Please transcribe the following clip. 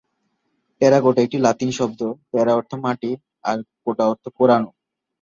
Terracotta একটি Latin শব্দ: 'টেরা' অর্থ মাটি, আর 'কোটা' অর্থ পোড়ানো।